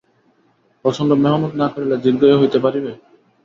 প্রচণ্ড মেহনত না করিলে দীর্ঘায়ু হইতে পারিবে।